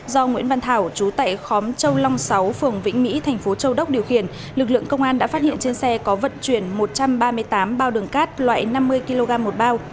do nguyễn văn thảo chú tại khóm châu long sáu phường vĩnh mỹ thành phố châu đốc điều khiển lực lượng công an đã phát hiện trên xe có vận chuyển một trăm ba mươi tám bao đường cát loại năm mươi kg một bao